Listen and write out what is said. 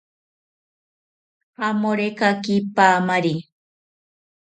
Jamorekaki paamari